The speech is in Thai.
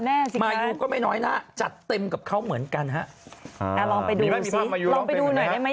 ไม่น้อยนะครับจัดเต็มกับเขาเหมือนกันฮะอ่าลองไปดูสิลองไปดูหน่อยได้ไหม